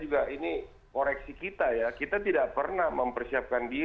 ketika di komisi satu